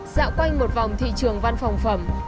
dạo quanh một vòng thị trường văn phòng phẩm